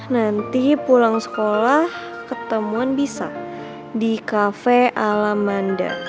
nanti pulang sekolah ketemuan bisa di kafe ala manda